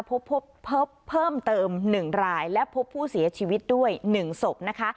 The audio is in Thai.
พบพบเพิ่มเติมหนึ่งรายและพบผู้เสียชีวิตด้วยหนึ่งศพนะคะ